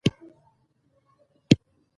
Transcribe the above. ژوند د ستونزو په زغمولو سره مانا اخلي.